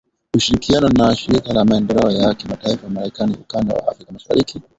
ushirikiano na Shirika la Maendeleo ya Kimataifa la Marekani Ukanda wa Afrika Mashariki